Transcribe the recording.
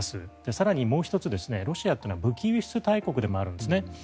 更にもう１つ、ロシアというのは武器輸出大国でもあるんですね。